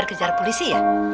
orang orang tahun india